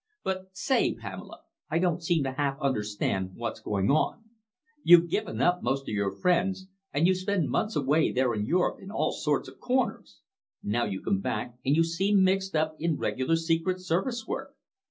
But say, Pamela, I don't seem to half understand what's going on. You've given up most of your friends, and you spend months away there in Europe in all sorts of corners. Now you come back and you seem mixed up in regular secret service work.